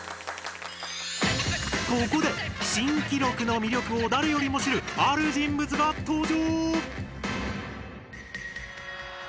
ここで新記録の魅力を誰よりも知るある人物が登場！